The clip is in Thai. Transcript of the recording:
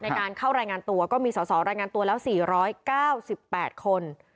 ในการเข้ารายงานตัวก็มีสอสอรายงานตัวแล้ว๔๙๘คน